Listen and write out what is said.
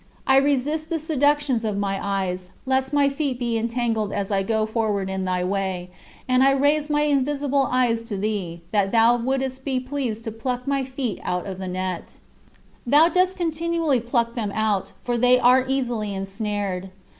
I resist the seductions of my eyes, lest my feet be entangled as I go forward in thy way; and I raise my invisible eyes to thee, that thou wouldst be pleased to "pluck my feet out of the net." Thou dost continually pluck them out, for they are easily ensnared.